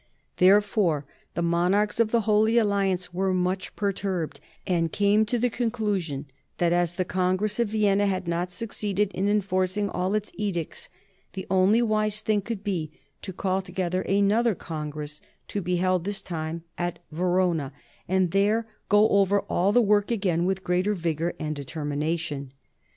Therefore, the monarchs of the Holy Alliance were much perturbed, and came to the conclusion that, as the Congress of Vienna had not succeeded in enforcing all its edicts, the only wise thing would be to call together another Congress, to be held this time at Verona, and there go over all the work again with greater vigor and determination.